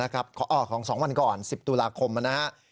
อ้อของ๒วันก่อน๑๐ตุลาคมนะฮะ